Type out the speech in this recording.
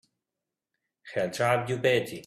He'll drive you batty!